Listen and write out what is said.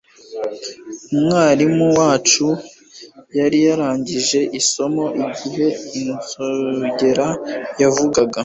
umwarimu wacu yari yarangije isomo igihe inzogera yavuzaga